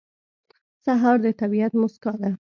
سهار د طبیعت موسکا ده.